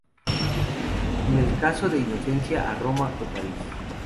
En el caso de Inocencia a Roma o París.